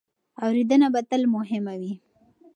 اورېدنه به تل مهمه وي.